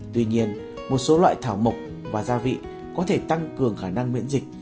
tuy nhiên một số loại thảo mộc và gia vị có thể tăng cường khả năng miễn dịch